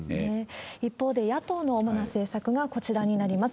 一方で、野党の主な政策がこちらになります。